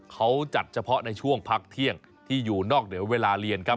เขาจัดเฉพาะในช่วงพักเที่ยงที่อยู่นอกเหนือเวลาเรียนครับ